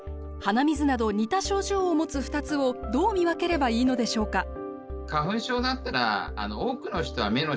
鼻水など似た症状を持つ２つをどう見分ければいいのでしょうか？